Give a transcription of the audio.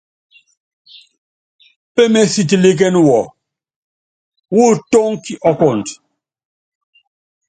Pémeésítílíkén wɔ wɔ́ tónki ɔkɔnd.